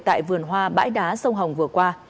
tại vườn hoa bãi đá sông hồng vừa qua